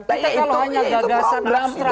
kita kalau hanya gagasan abstract